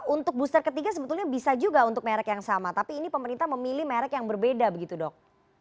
untuk booster ketiga sebetulnya bisa juga untuk merek yang sama tapi ini pemerintah memilih merek yang berbeda begitu dok